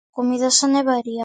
Comida sana e varia-.